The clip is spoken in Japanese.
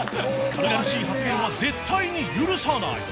［軽々しい発言は絶対に許さない］